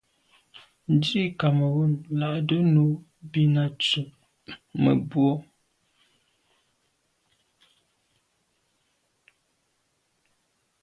Ndzî Cameroun là'də̌ nù bìn à' tswə́ mə̀bró.